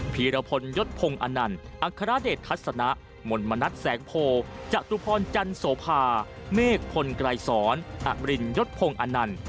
ภีรพลยศพงศ์อันนั่นอัคราเดชทัศนะหมลมณัฐแสงโพจตุพรจันทร์โสภาเมฆพลไกรศรอับริญยศพงศ์อันนั่น